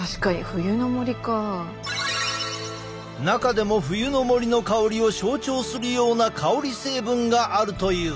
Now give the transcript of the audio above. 中でも冬の森の香りを象徴するような香り成分があるという。